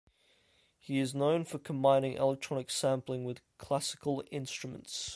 He is known for combining electronic sampling with classical instruments.